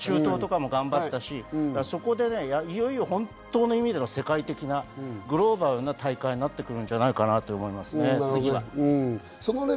中東も頑張りましたし、いよいよ本当の意味での世界的な大会になってくるんじゃないかなと思いますね、次は。